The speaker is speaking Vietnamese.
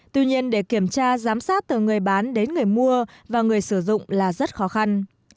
tuy nhiên để kiểm tra giám sát từ người bán đến người mua và người sử dụng là rất khó khăn